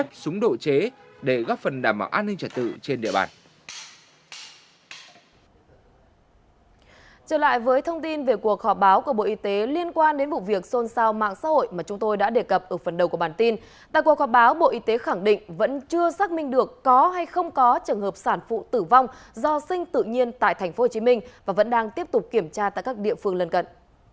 trong khoa báo bộ y tế khẳng định vẫn chưa xác minh được có hay không có trường hợp sản phụ tử vong do sinh tự nhiên tại tp hcm và vẫn đang tiếp tục kiểm tra tại các địa phương lân cận